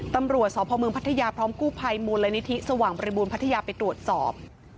ตำรวจสพเมืองพัทยาพร้อมกู้ภัยมูลนิธิสว่างบริบูรณพัทยาไปตรวจสอบ